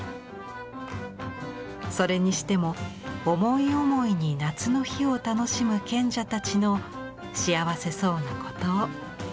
それにしても思い思いに夏の日を楽しむ賢者たちの幸せそうなこと。